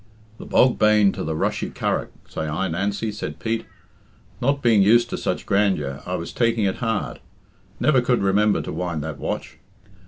"The bog bane to the rushy curragh, say I, Nancy," said Pete. "Not being used of such grandeur, I was taking it hard. Never could remember to wind that watch.